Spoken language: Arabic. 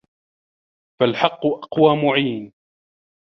فَالْحَقُّ أَقْوَى مُعِينٍ